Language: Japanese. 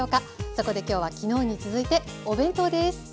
そこで今日は昨日に続いてお弁当です。